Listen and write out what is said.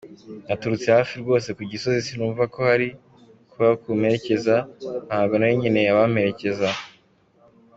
naturutse hafi rwose ku Gisozi, sinumva ko hari kubaho kumperekeza, ntago nari nkeneye abamperekeza.